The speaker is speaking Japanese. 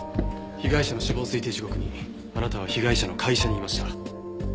被害者の死亡推定時刻にあなたは被害者の会社にいました。